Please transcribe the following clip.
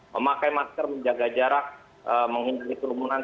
memakai masker menjaga jarak menghindari kerumunan